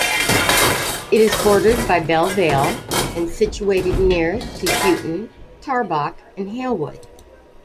It is bordered by Belle Vale and situated near to Huyton, Tarbock and Halewood.